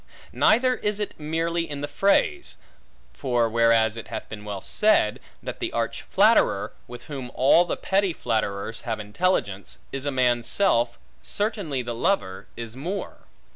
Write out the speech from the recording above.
Neither is it merely in the phrase; for whereas it hath been well said, that the arch flatterer, with whom all the petty flatterers have intelligence, is a man's self; certainly the lover is more.